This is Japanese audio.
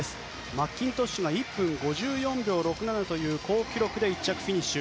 マッキントッシュが１分５４秒６７という好タイムで１着フィニッシュ。